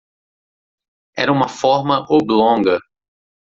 Era uma forma oblonga.